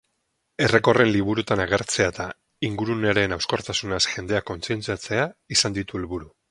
Errekorren liburuetan agertzea eta ingurunearen hauskortasunaz jendea kontzientziatzea izan ditu helburu.